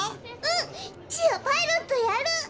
うんシアパイロットやる！